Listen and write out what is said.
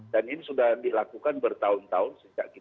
dan ini sudah dilakukan bertahun tahun